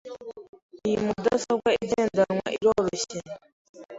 Iyi mudasobwa igendanwa iroroshye.